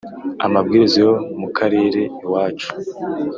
amabwiriza yo mukarere iwacu